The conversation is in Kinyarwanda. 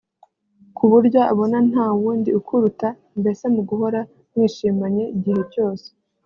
ku buryo abona nta wundi ukuruta mbese mu gahora mwishimanye igihe cyose